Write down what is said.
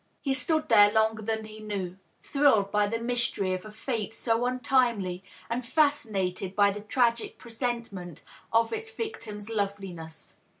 He stood there longer than he knew, thrilled by the mystery of a fate so untimely, and &scinated by the tragic presentment of its victim's loveliness.